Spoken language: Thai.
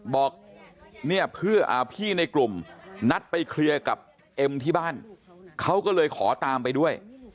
บอกเนี่ยเพื่อพี่ในกลุ่มนัดไปเคลียร์กับเอ็มที่บ้านเขาก็เลยขอตามไปด้วย